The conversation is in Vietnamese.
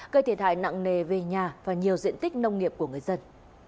gây thiệt hại nặng nề về nhà và nhiều diện tích nông nghiệp của người dân